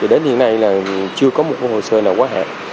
đến hiện nay là chưa có một hồ sơ nào quá hạn